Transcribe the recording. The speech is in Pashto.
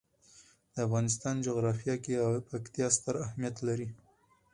د افغانستان جغرافیه کې پکتیا ستر اهمیت لري.